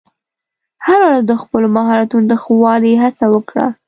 هره ورځ د خپلو مهارتونو د ښه والي هڅه وکړه.